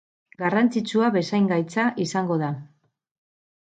Garrantzitsua bezain gaitza izango da.